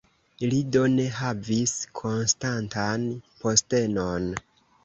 Li do ne havis konstantan postenon.